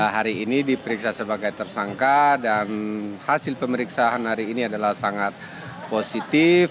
hari ini diperiksa sebagai tersangka dan hasil pemeriksaan hari ini adalah sangat positif